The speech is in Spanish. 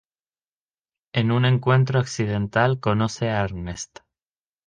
En un encuentro accidental conoce a Ernest.